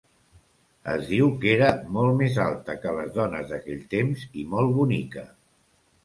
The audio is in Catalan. Es diu que era molt més alta que les dones d'aquell temps i molt bonica.